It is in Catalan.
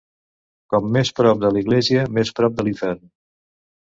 Com més prop de l'església, més prop de l'infern.